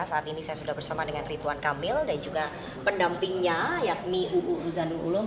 saat ini saya sudah bersama dengan rituan kamil dan juga pendampingnya yakni uu ruzanul ulum